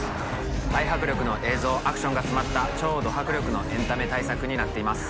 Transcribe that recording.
大迫力の映像アクションが詰まった超ど迫力のエンタメ大作になっています。